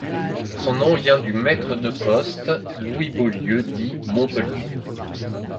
Son nom vient du maître de poste, Louis Beaulieu, dit Montpellier.